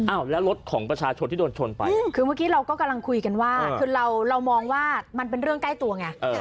อ้าวแล้วรถของประชาชนที่โดนชนไปคือเมื่อกี้เราก็กำลังคุยกันว่าคือเรามองว่ามันเป็นเรื่องใกล้ตัวไง